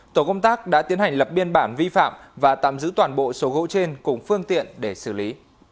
tổ công tác đã tiến hành lập biên bản vi phạm và tạm giữ toàn bộ số gỗ trên cùng phương tiện để xử lý